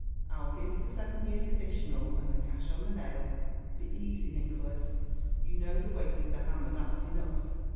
I'll give the seven years additional, and the cash on the nail." "Be aisey, Nicholas. You know the weight of the hammer, that's enough.